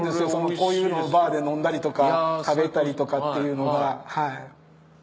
こういうのをバーで飲んだりとか食べたりとかっていうのが。